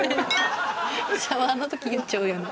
シャワーの時言っちゃうやん。